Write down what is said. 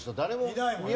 いないもんね。